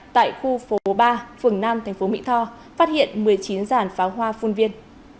tại khu phố ba phường năm tp mỹ tho phát hiện một mươi chín giản pháo hoa phun viên